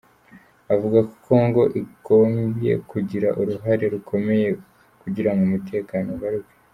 Avuga ko Congo igombye kugira uruhare rukomeye kugira ngo umutekano ugaruke.